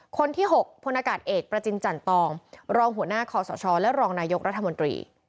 คนที่๖พลอากาศเอกประจินจันตองรองหัวหน้าคอสชและรองนายกรัฐมนตรี